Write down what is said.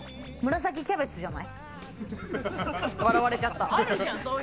紫キャベツじゃない？